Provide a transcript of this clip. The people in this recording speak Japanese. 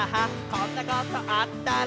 こんなことあったら」